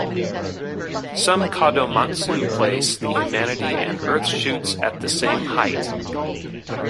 Some "kadomatsu" place the humanity and earth shoots at the same height.